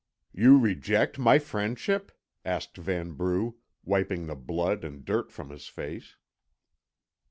"You reject my friendship?" asked Vanbrugh, wiping the blood and dirt from his face.